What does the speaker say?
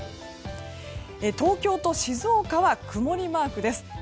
東京と静岡は曇りマークです。